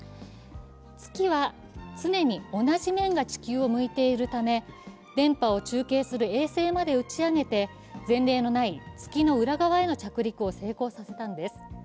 月は常に同じ面が地球を向いているため電波を中継する衛星まで打ち上げで前例のない月の裏側への着陸を成功させたのです。